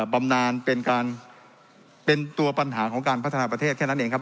บำนานเป็นการเป็นตัวปัญหาของการพัฒนาประเทศแค่นั้นเองครับ